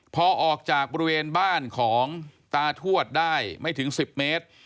พอออกจากบริเวณบ้านของตาทวดได้ไม่ถึง๑๐เมตร